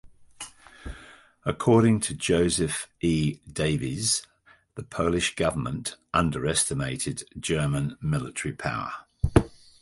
According to Joseph E. Davies, the Polish government underestimated German military power.